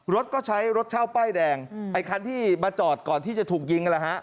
รถก็ใช้รถเช่าไป้แดงไอ้คันที่มาจอดก่อนที่จะถูกยิง